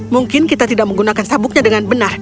mungkin kita tidak menggunakan sabuknya dengan benar